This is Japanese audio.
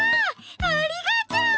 ありがとう！